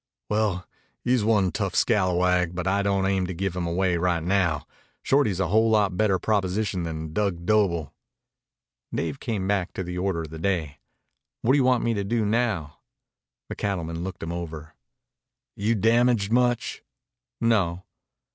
"Well, he's one tough scalawag, but I don't aim to give him away right now. Shorty is a whole lot better proposition than Dug Doble." Dave came back to the order of the day. "What do you want me to do now?" The cattleman looked him over. "You damaged much?" "No."